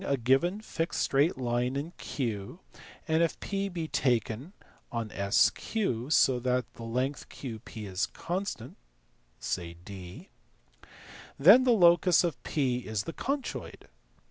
a given fixed straight line in Q and if P be taken on SQ so that the length QP is constant (say d), then the locus of P is the conchoid.